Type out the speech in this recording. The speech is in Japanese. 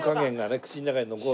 口の中に残る。